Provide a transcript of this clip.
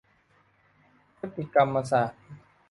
พฤติกรรมศาสตร์